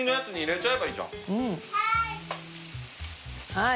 はい。